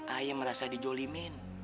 aye merasa dijolimin